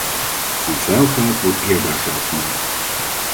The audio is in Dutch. Van vuil geld wordt eerbaar geld gemaakt.